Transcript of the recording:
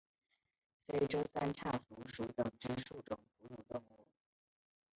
非洲三叉蝠属等之数种哺乳动物。